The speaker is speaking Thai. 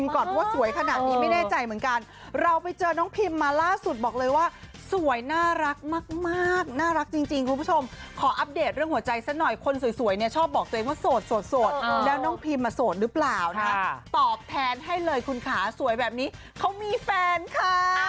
แล้วน้องพีมมาโสดหรือเปล่าตอบแทนให้เลยคุณค้าสวยแบบนี้เขามีแฟนค่ะ